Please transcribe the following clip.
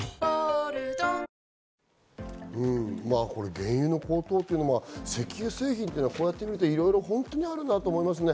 原油の高騰って、石油製品というのはこうやって見ると、いろいろあるなって思いますね。